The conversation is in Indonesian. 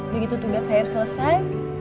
begitu tugas saya selesai